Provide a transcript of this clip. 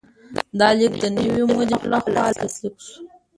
دا لیک د نوي مدیر لخوا لاسلیک شو.